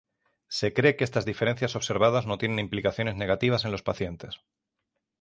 Se cree que estas diferencias observadas no tienen implicaciones negativas en los pacientes.